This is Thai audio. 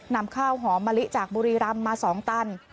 นำข้าวหอมมะลิจากบุรีรำมา๒ตัน